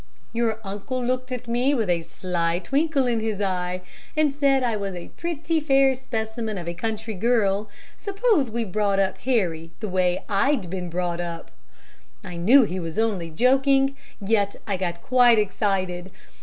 "Your uncle looked at me with a sly twinkle in his eye, and said I was a pretty fair specimen of a country girl, suppose we brought up Harry the way I'd been brought up. I knew he was only joking, yet I got quite excited.